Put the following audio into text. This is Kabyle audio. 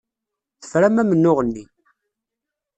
Tefram amennuɣ-nni.